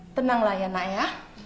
tenanglah ya nak ya